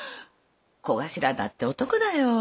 小頭だって男だよ。